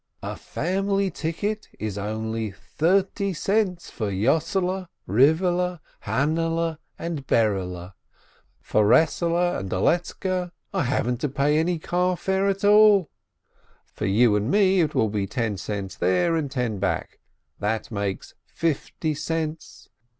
"A family ticket is only thirty cents, for Yossele, Rivele, Hannahle, and Berele; for Eesele and Doletzke I haven't to pay any carfare at all. For you and me, it will be ten cents there and ten back — that makes fifty cents.